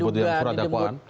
disebut di dalam surat dakwaan